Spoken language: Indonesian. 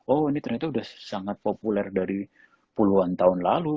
oh ini ternyata sudah sangat populer dari puluhan tahun lalu